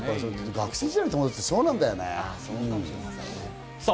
学生時代の友達って、そうなんだよね。